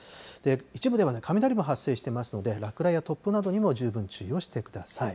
一部では雷も発生していますので、落雷や突風などにも十分注意をしてください。